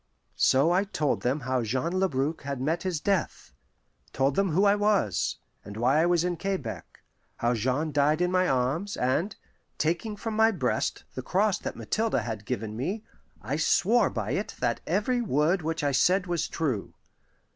So I told them how Jean Labrouk had met his death; told them who I was, and why I was in Quebec how Jean died in my arms; and, taking from my breast the cross that Mathilde had given me, I swore by it that every word which I said was true.